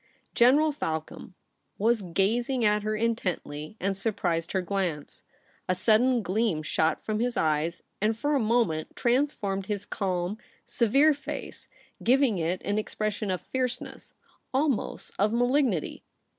General Falcon was gazing at her intently, and sur prised her glance. A sudden gleam shot from his eyes, and for a moment transformed his calm, severe face, giving it an expression of fierceness, almost of malignity.